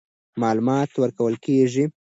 معلومات ورکول کېږي.